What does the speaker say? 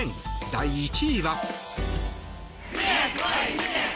第１位は。